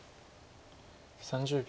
３０秒。